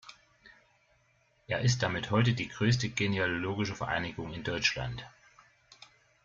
Er ist damit heute die größte genealogische Vereinigung in Deutschland.